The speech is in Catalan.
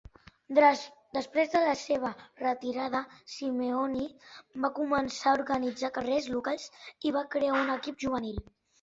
Després de la seva retirada, Simeoni va començar a organitzar carreres locals i va crear un equip juvenil.